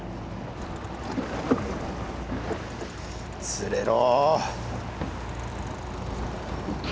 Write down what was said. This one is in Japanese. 釣れろ！